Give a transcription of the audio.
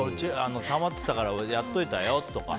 たまってたからやっておいたよとか。